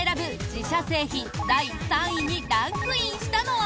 自社製品第３位にランクインしたのは。